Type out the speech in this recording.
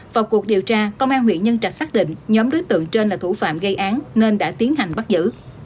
vào cuộc điều tra công an huyện nhân trạch xác định nhóm đối tượng trên là thủ phạm gây án nên đã tiến hành bắt giữ